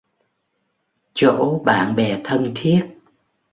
Chỗ bạn bè thân thiết